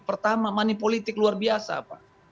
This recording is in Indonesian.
pertama money politik luar biasa pak